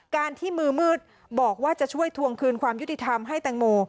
การที่มือมืดบอกว่าจะช่วยทวงคืนความยุติธรรมให้แตงโม